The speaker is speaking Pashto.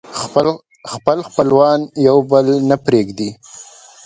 خپل خپلوان يو بل نه پرېږدي